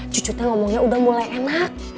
cucu tuh ngomongnya udah mulai enak